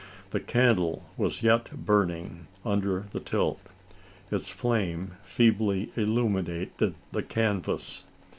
The candle was yet burning under the tilt. Its flame feebly illuminated the canvas.